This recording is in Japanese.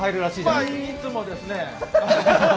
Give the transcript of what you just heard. まあいつもですね。